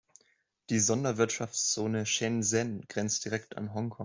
Die Sonderwirtschaftszone Shenzhen grenzt direkt an Hongkong.